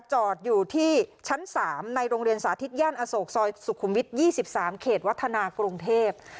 จอดอยู่ที่ชั้น๓ในโรงเรียนสาธิตย่านอโศกซอยสุขุมวิท๒๓เขตวัฒนากรุงเทพ